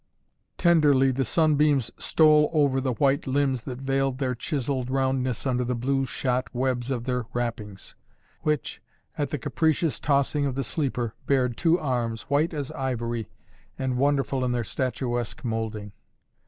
Tenderly the sunbeams stole over the white limbs that veiled their chiselled roundness under the blue shot webs of their wrappings, which, at the capricious tossing of the sleeper, bared two arms, white as ivory and wonderful in their statuesque moulding.